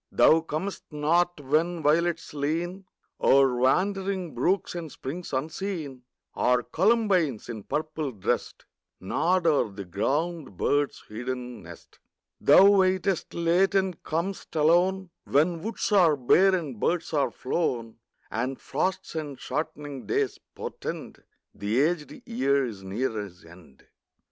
Thou comest not when violets lean O'er wandering brooks and springs unseen, Or columbines, in purple dressed, Nod o'er the ground bird's hidden nest. Thou waitest late and com'st alone, When woods are bare and birds are flown, And frosts and shortening days portend The aged year is near his end.